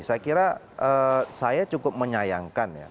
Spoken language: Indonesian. saya kira saya cukup menyayangkan ya